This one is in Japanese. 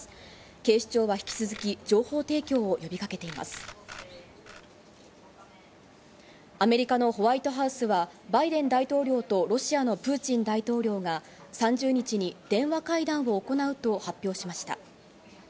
警視庁は引き続き、情報提供を呼アメリカのホワイトハウスは、バイデン大統領とロシアのプーチン大統領が３０日に電話会談を行うと発表しました。